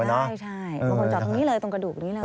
ใช่บางคนจอดตรงนี้เลยตรงกระดูกนี้เลย